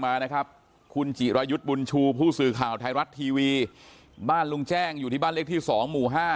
มาของไทยรัสทีวีบ้านลุงแจ้งอยู่ที่บ้านเล็กที่๒หมู่๕